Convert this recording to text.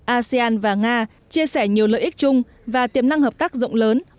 asean và nga chia sẻ nhiều lợi ích chung và tiềm năng hợp tác rộng lớn